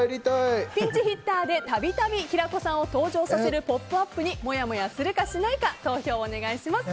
ピンチヒッターで度々平子さんを登場させる「ポップＵＰ！」にもやもやするか、しないか投票をお願いします。